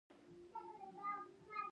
چندراګوپتا یونانیانو ته ماتې ورکړه.